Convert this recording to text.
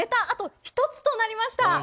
あと１つとなりました。